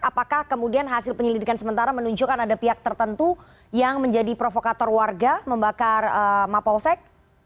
apakah kemudian hasil penyelidikan sementara menunjukkan ada pihak tertentu yang menjadi provokator warga membakar mapolsek